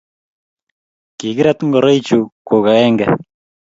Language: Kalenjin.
kigirat ngoroichu gu agenge